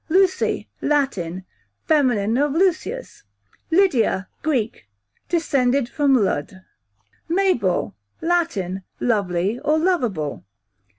Lucy, Latin, feminine of Lucius. Lydia, Greek, descended from Lud, Mabel, Latin, lovely or loveable.